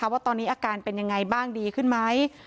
ว่าตอนนี้อาการเป็นยังไงบ้างดีขึ้นไหม